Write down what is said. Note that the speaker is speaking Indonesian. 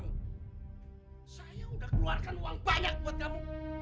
saya sudah keluarkan uang banyak untuk kamu